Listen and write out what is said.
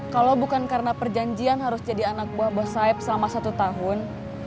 kalau bukan karena perjanjian harus jadi anak buah bos saib selama satu tahun